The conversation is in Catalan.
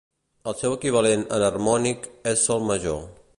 El seu equivalent enharmònic és sol major.